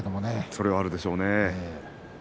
それはあるでしょうね。